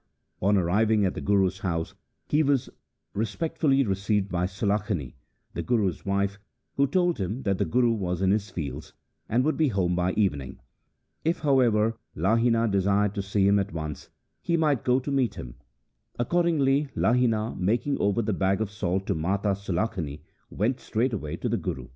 On arriving at the Guru's house he was respectfully received by Sulakhani, the Guru's wife, who told him that the Guru was in his fields, and would be home by evening. If, however, Lahina desired to see him at once, he might go to meet him. Accordingly Lahina, making over the bag of salt to Mata Sulakhani, went straightway to the Guru.